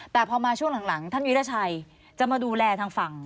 แต่พอมาช่วงหลังท่านวิราชัยจะมาดูแลทางฝั่ง